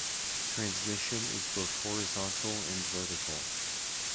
Transmission is both horizontal and vertical.